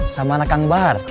sama anak kang bahar